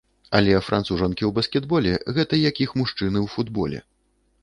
Але францужанкі ў баскетболе, гэта як іх мужчыны ў футболе.